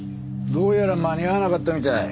どうやら間に合わなかったみたい。